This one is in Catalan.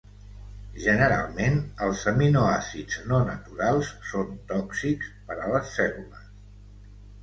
Generalment, els aminoàcids no naturals són tòxics per a les cèl·lules.